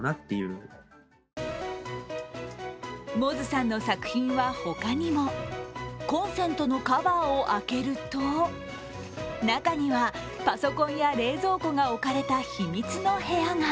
Ｍｏｚｕさんの作品はほかにもコンセントのカバーを開けると中にはパソコンや冷蔵庫が置かれた秘密の部屋が。